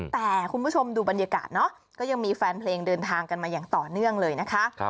แต่คุณผู้ชมดูบรรยากาศเนาะก็ยังมีแฟนเพลงเดินทางกันมาอย่างต่อเนื่องเลยนะคะ